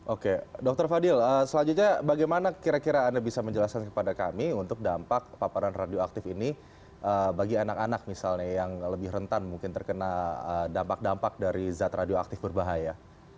oke dr fadil selanjutnya bagaimana kira kira anda bisa menjelaskan kepada kami untuk dampak paparan radioaktif ini bagi anak anak misalnya yang lebih rentan mungkin terkena dampak dampak dari zat radioaktif berbahaya